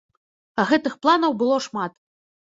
А гэтых планаў было шмат.